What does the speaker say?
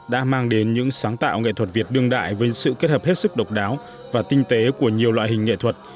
đã mang đến những sáng tạo nghệ thuật việt đương đại với sự kết hợp hết sức độc đáo và tinh tế của nhiều loại hình nghệ thuật